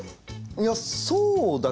いやそうだけど。